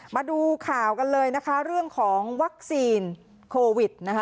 มาดูข่าวกันเลยนะคะเรื่องของวัคซีนโควิดนะคะ